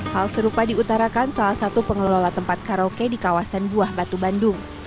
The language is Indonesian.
hal serupa diutarakan salah satu pengelola tempat karaoke di kawasan buah batu bandung